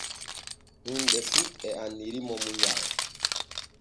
Himɓe fu e annirimo munyal.